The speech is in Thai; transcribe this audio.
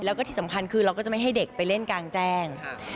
แล้วก็ที่สำคัญคือเราก็จะไม่ให้เด็กไปเล่นกลางแจ้ง